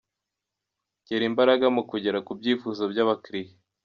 gera imbaraga mu kugera ku byifuzo by’abakiriya.